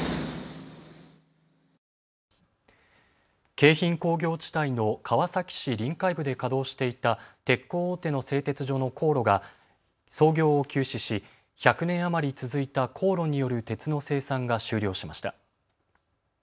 京浜工業地帯の川崎市臨海部で稼働していた鉄鋼大手の製鉄所の高炉が操業を休止し１００年余り続いた高炉による鉄の生産が終了しました。